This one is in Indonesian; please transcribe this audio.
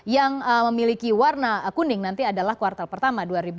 yang memiliki warna kuning nanti adalah kuartal pertama dua ribu dua puluh